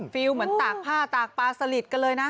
เหมือนตากผ้าตากปลาสลิดกันเลยนะ